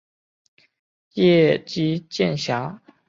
叶基渐狭。